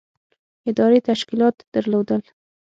ادارې تشکیلات درلودل.